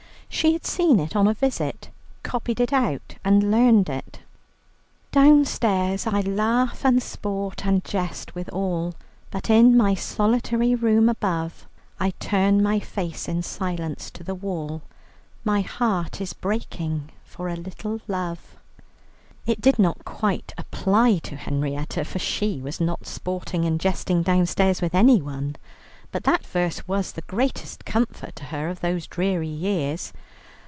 She had seen it on a visit, copied it out, and learned it: "Downstairs I laugh and sport and jest with all, But in my solitary room above I turn my face in silence to the wall: My heart is breaking for a little love." It did not quite apply to Henrietta, for she was not sporting and jesting downstairs with anyone, but that verse was the greatest comfort to her of those dreary years.